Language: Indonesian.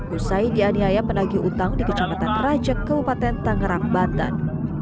usai dianiaya penagi utang di kecamatan raja keupatan tangerang bantan